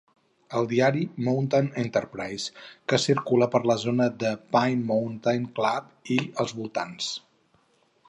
El diari "Mountain Entreprise", que circula per la zona de Pine Mountain Club i els voltants.